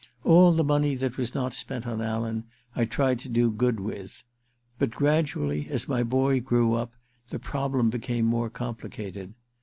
All the money that was not spent on Alan I tried to do good with. But gradually, as my boy grew up, the problem became more complicated.